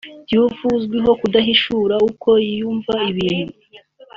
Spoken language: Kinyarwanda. Diouf uzwiho kudahishira uko yumva ibintu